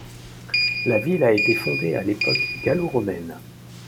La ville a été fondée à l'époque gallo-romaine.